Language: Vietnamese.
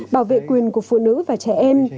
bảo vệ quyền của phụ nữ và trẻ em